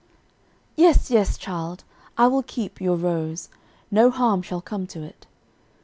"Yes, yes, child, I will keep your rose; no harm shall come to it."